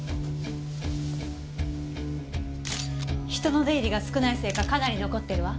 人の出入りが少ないせいかかなり残ってるわ。